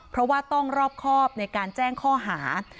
เพราะว่าต้องรอบครอบในการแจ้งข้อหา